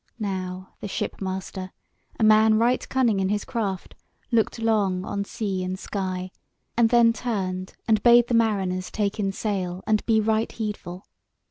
Now the shipmaster, a man right cunning in his craft, looked long on sea and sky, and then turned and bade the mariners take in sail and be right heedful.